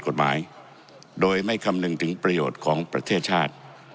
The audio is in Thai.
กฎหมายโดยไม่คำนึงถึงประโยชน์ของประเทศชาติ